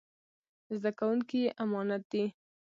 زده کوونکي يې امانت دي.